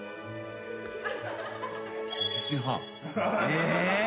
え？